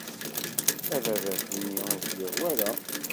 Ababat-nni ur t-yuɣ wara.